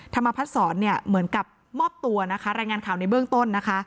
ธรรมพัฒนศรเนี่ยเหมือนกับมอบตัวนะคะรายงานข่าวในเบื้องต้นนะคะ